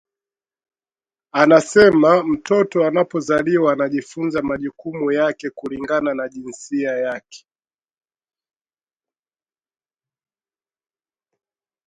Anasema mtoto anapozaliwa anajifunza majukumu yake kulingana na jinsia yake